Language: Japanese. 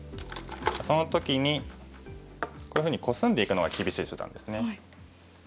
その時にこういうふうにコスんでいくのが厳しい手段ですね。